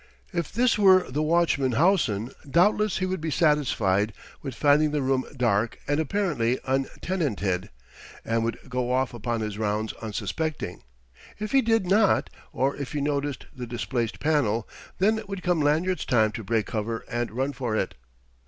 If this were the watchman Howson, doubtless he would be satisfied with finding the room dark and apparently untenanted, and would go off upon his rounds unsuspecting. If he did not, or if he noticed the displaced panel, then would come Lanyard's time to break cover and run for it.